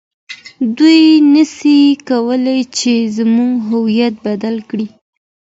دوی نسي کولای چي زموږ هویت بدل کړي.